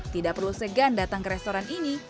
tidak perlu segan datang ke restoran ini